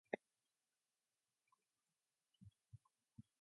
Bechtel has competed on the World Poker Tour and has cashed in four tournaments.